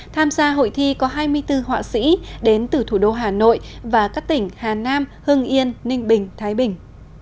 tham gia hội thi có hai mươi bốn họa sĩ đến từ thủ đô hà nội và các tỉnh hà nam hưng yên ninh bình thái bình